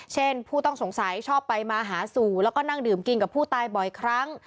ผู้ต้องสงสัยชอบไปมาหาสู่แล้วก็นั่งดื่มกินกับผู้ตายบ่อยครั้ง